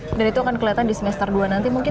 itu akan kelihatan di semester dua nanti mungkin